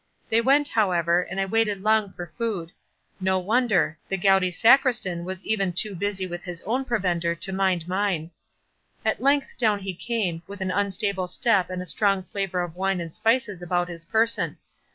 They went, however, and I waited long for food—no wonder—the gouty Sacristan was even too busy with his own provender to mind mine. At length down he came, with an unstable step and a strong flavour of wine and spices about his person.